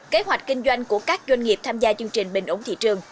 kế hoạch kinh doanh của các doanh nghiệp tham gia chương trình bình ổn thị trường